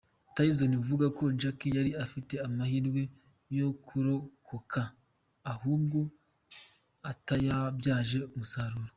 Tyson avuga ko Jack yari afite amahirwe yo kurokoka ahubwo atayabyaje umusaruro.